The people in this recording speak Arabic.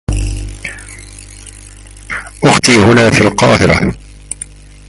أختي هنا في القاهرة.